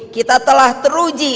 kita telah teruji